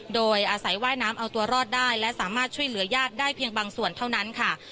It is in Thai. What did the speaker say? โดยอาศัยว่ายน้ำเอาตัวรอดได้และสามารถช่วยเหลือญาติได้เพียงบางส่วนเท่านั้นค่ะ